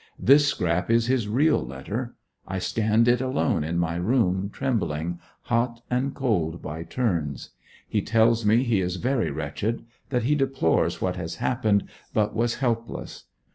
This scrap is his real letter: I scanned it alone in my room, trembling, hot and cold by turns. He tells me he is very wretched; that he deplores what has happened, but was helpless.